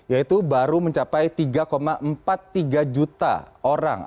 yaitu baru mencapai tiga empat puluh tiga juta orang